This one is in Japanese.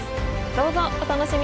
どうぞお楽しみに！